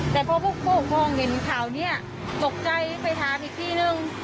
แต่พอผู้ปกครองเห็นข่าวนี้ตกใจไปถามอีกทีนึง